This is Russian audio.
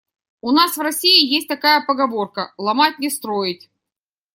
У нас в России есть такая поговорка: "Ломать — не строить".